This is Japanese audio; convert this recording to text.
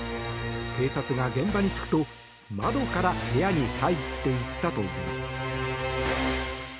警察が現場に着くと、窓の間から部屋に入っていったといいます。